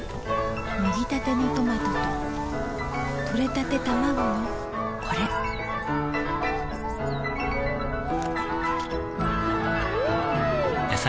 もぎたてのトマトととれたてたまごのこれん！